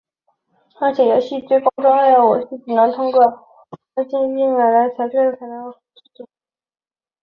而且游戏中最高级的装备武器只能通过由金币买来的材料才能合成。